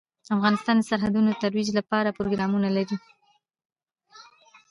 افغانستان د سرحدونه د ترویج لپاره پروګرامونه لري.